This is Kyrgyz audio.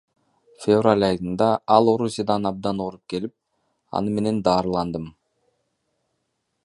Февраль айында ал Орусиядан абдан ооруп келип, аны мен даарыладым.